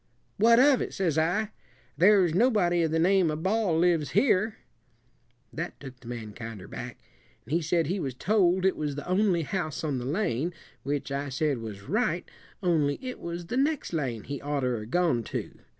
'What of it?' says I; 'there's nobody of the name of Ball lives here.' That took the man kinder back, and he said he was told it was the only house on the lane, which I said was right, only it was the next lane he oughter 'a' gone to.